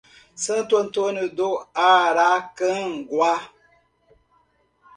Santo Antônio do Aracanguá